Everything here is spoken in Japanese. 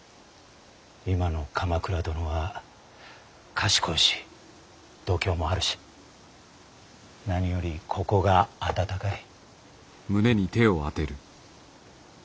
今の鎌倉殿は賢いし度胸もあるし何よりここが温かい。